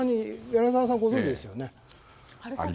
柳澤さん、ご存じですよね。